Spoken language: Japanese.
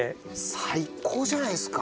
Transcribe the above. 最高じゃないですか。